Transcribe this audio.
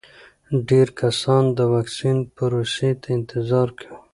ډېر کسان د واکسین پروسې ته انتظار کوي.